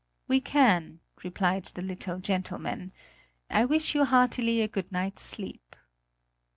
"We can," replied the little gentleman; "I wish you heartily a good night's sleep."